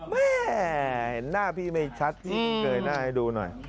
แม่เห็นหน้าพี่ไม่ชัดพี่เกยหน้าให้ดูหน่อย